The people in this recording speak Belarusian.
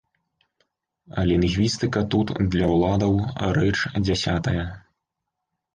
Лінгвістыка тут для ўладаў рэч дзясятая.